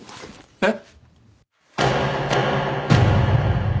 えっ。